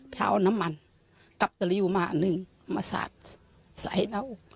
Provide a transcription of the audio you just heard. พาวน้ำมันกับตะลิวมาหนึ่งมาสาดสายเนา